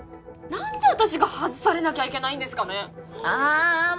何で私が外されなきゃいけないんですかねああああ